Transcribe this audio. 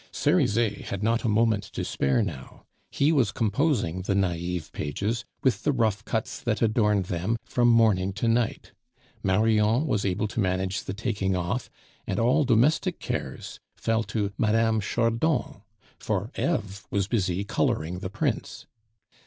Cerizet had not a moment to spare now; he was composing the naive pages, with the rough cuts that adorned them, from morning to night; Marion was able to manage the taking off; and all domestic cares fell to Mme. Chardon, for Eve was busy coloring the prints.